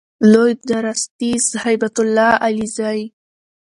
لوی درستیز هیبت الله علیزی